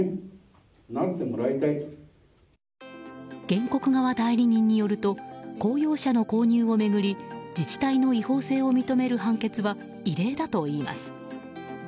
原告側代理人によると公用車の購入を巡り自治体の違法性を認める判決は異例だといいます。